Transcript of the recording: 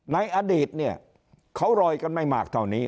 ในอดีตเนี่ยเขารอยกันไม่มากเท่านี้